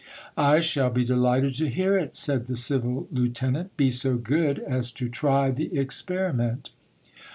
"I shall be delighted to hear it," said the civil lieutenant; "be so good as to try the experiment."